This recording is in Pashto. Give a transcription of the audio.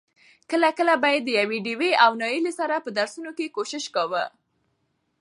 کله کله به يې د ډېوې او نايلې سره په درسونو کې کوشش کاوه.